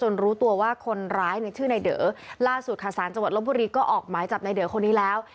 รู้ตัวว่าคนร้ายเนี่ยชื่อในเด๋อล่าสุดค่ะสารจังหวัดลบบุรีก็ออกหมายจับในเดอคนนี้แล้ว